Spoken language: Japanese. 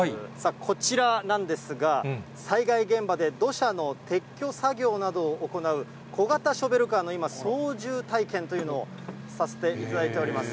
こちらなんですが、災害現場で土砂の撤去作業などを行う、小型ショベルカーの今、操縦体験というのをさせていただいております。